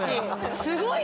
すごいね！